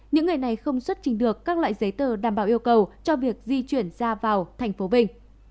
những người này không xuất trình được các loại giấy tờ đảm bảo yêu cầu cho việc di chuyển ra vào thành phố vinh